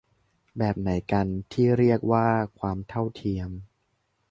แบบไหนกัน ที่เรียกว่าความเท่าเทียม